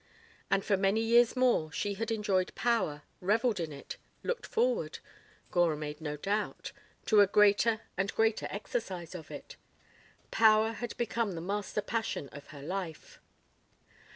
And for many years more she had enjoyed power, revelled in it, looked forward, Gora made no doubt, to a greater and greater exercise of it. Power had become the master passion of her life.